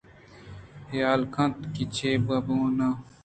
حیال کنت کہ چے بہ کناں